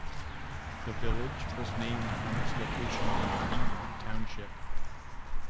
The village was named from its location in B Township.